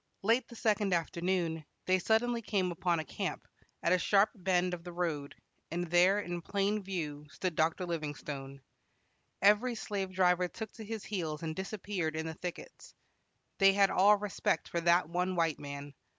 Late the second afternoon, they suddenly came upon a camp, at a sharp bend of the road, and there, in plain view, stood Dr. Livingstone. Every slave driver took to his heels and disappeared in the thickets. They had all respect for that one white man.